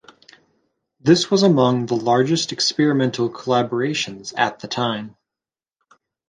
This was among the largest experimental collaborations at the time.